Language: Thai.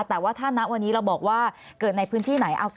แต่ว่าถ้าณวันนี้เราบอกว่าเกิดในพื้นที่ไหน